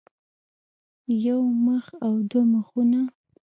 يو مخ او دوه مخونه